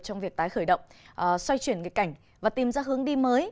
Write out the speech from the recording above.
trong việc tái khởi động xoay chuyển nghịch cảnh và tìm ra hướng đi mới